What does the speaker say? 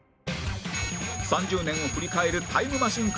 ３０年を振り返るタイムマシン